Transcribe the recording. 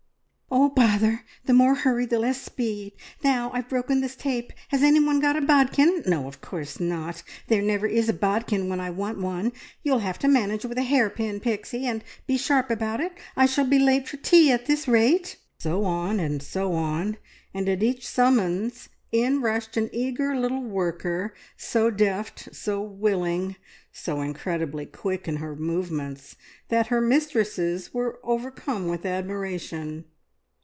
"Oh h, bother! The more hurry the less speed. Now I've broken this tape. Has anyone got a bodkin? No, of course not! There never is a bodkin when I want one. You'll have to manage with a hairpin, Pixie, and be sharp about it. I shall be late for tea at this rate!" So on, and so on, and at each summons in rushed an eager little worker, so deft, so willing, so incredibly quick in her movements, that her mistresses were overcome with admiration.